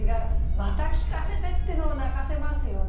「また聞かせて」ってのも泣かせますよね。